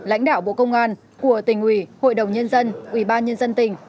lãnh đạo bộ công an của tỉnh ủy hội đồng nhân dân